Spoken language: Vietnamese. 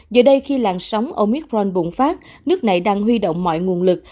giờ đây khi làn sóng omicron bùng phát nước này đang huy động mọi nguồn lực